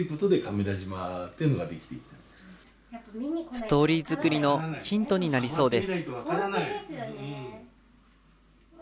ストーリー作りのヒントになりそうです。